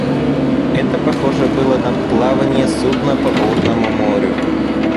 Это похоже было на плавание судна по бурному морю.